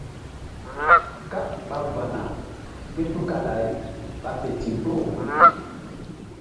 Káɓ ɓa va̧na ké tukala-ay ɓa fe ndikpo.